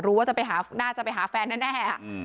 รู้ว่าจะไปหาน่าจะไปหาแฟนแน่แน่อ่ะอืม